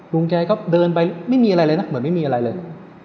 ลุงแกก็เดินไปไม่มีอะไรเลยนะเหมือนไม่มีอะไรเลย